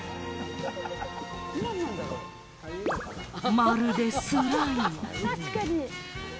まるでスライム。